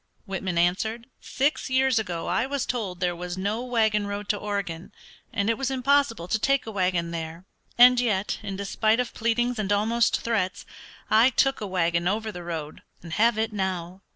Whitman answered, "Six years ago I was told there was no wagon road to Oregon, and it was impossible to take a wagon there, and yet in despite of pleadings and almost threats, I took a wagon over the road and have it now."